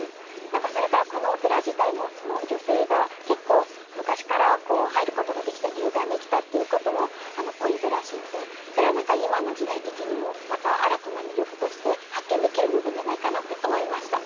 それからこのお寺自体も女性が結構昔から入ることができた入山できたっていうこともポイントらしいのでそれは何か今の時代的にもまた新たな魅力として発見できる部分じゃないかなって思いました。